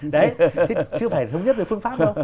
đấy thế chưa phải thống nhất về phương pháp đâu